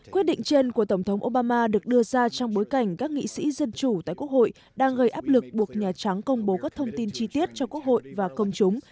quyết định trên của tổng thống obama được đưa ra trong bối cảnh các nghị sĩ dân chủ tại quốc hội đang gây áp lực buộc nhà trắng công bố các thông tin chi tiết cho quốc hội và công chúng